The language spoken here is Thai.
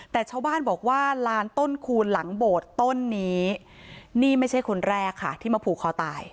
แต่ชาวบ้านบอกว่าลานต้นคูณหลังโบสถ์ต้นนี้นี่ไม่ใช่คนแรกค่ะที่มาผูกคอตาย